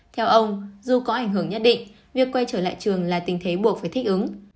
theo ông dù có ảnh hưởng nhất định việc quay trở lại trường là tình thế buộc phải thích ứng